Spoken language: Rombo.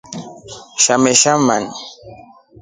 Shamesha mma.